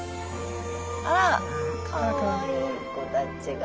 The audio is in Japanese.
あらかわいい子たちが。